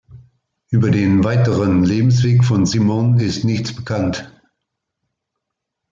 Über den weiteren Lebensweg von Simon ist nichts bekannt.